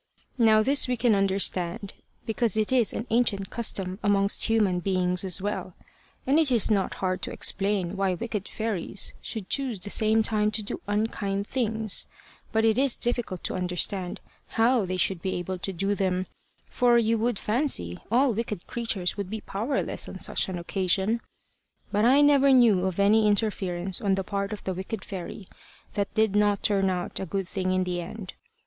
Now this we can understand, because it is an ancient custom amongst human beings as well; and it is not hard to explain why wicked fairies should choose the same time to do unkind things; but it is difficult to understand how they should be able to do them, for you would fancy all wicked creatures would be powerless on such an occasion. But I never knew of any interference on the part of the wicked fairy that did not turn out a good thing in the end.